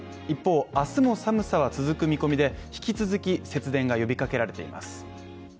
一方、明日も寒さは続く見込みで引き続き、節電が呼びかけられています。